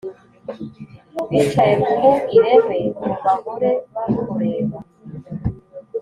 Bicaye ku irebe Ngo bahore bakureba.